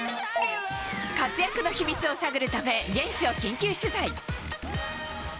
活躍の秘密を探るため、現地を緊急取材。